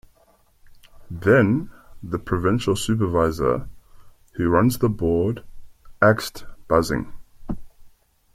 Then, the provincial supervisor - who runs the board - axed busing.